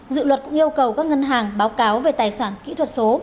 dự luật yêu cầu các ngân hàng báo cáo về tài sản kỹ thuật số